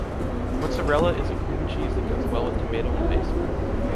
Mozzarella is a cream cheese that goes well with tomato and basil.